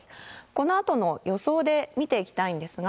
このあとの予想で見ていきたいんですが。